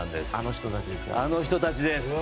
あの人たちです。